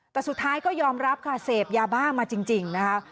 แต่สุดท้ายก็ยอมรับค่ะเสพยาบ้ามาจริงนะคะ